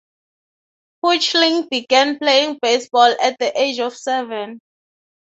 Hoechlin began playing baseball at the age of seven.